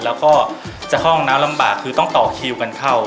แล้วก็จะเข้าห้องน้ำลำบากคือต้องต่อคิวกันเข้า